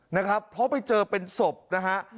นะครับเพราะไปเจอเป็นศพนะฮะ